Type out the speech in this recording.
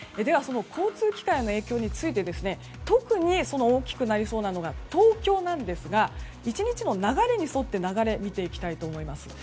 その交通機関への影響について特に大きくなりそうなのが東京なんですが１日の流れに沿って見ていきたいと思います。